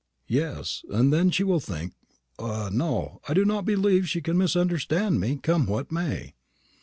"Yes; and then she will think ah, no; I do not believe she can misunderstand me, come what may."